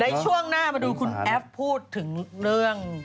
ช่วงหน้ามาดูคุณแอฟพูดถึงเรื่อง